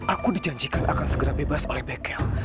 aku dijanjikan akan segera bebas oleh bengkel